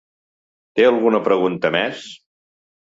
Té alguna pregunta més?